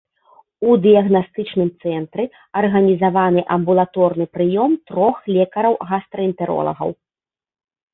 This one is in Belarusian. У дыягнастычным цэнтры арганізаваны амбулаторны прыём трох лекараў-гастраэнтэролагаў.